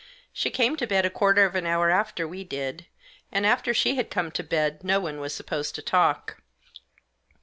She came to bed a quarter of an hour after we did, and after she had come to bed no one was supposed to talk.